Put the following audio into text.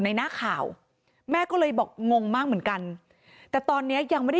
หน้าข่าวแม่ก็เลยบอกงงมากเหมือนกันแต่ตอนนี้ยังไม่ได้